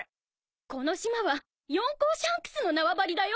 この島は四皇シャンクスのナワバリだよ